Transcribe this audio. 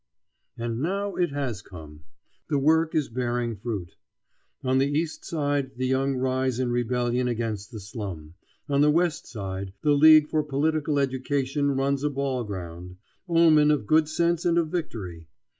And now it has come. The work is bearing fruit. On the East Side the young rise in rebellion against the slum; on the West Side the League for Political Education runs a ball ground. Omen of good sense and of victory!